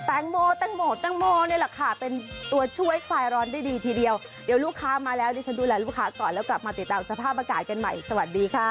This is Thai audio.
แตงโมแตงโมแตงโมนี่แหละค่ะเป็นตัวช่วยคลายร้อนได้ดีทีเดียวเดี๋ยวลูกค้ามาแล้วดิฉันดูแลลูกค้าก่อนแล้วกลับมาติดตามสภาพอากาศกันใหม่สวัสดีค่ะ